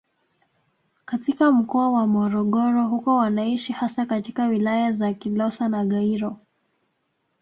Katika mkoa wa Morogoro huko wanaishi hasa katika wilaya za Kilosa na Gairo